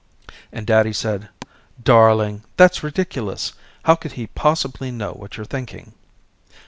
And daddy said darling, that's ridiculous, how could he possibly know what you're thinking?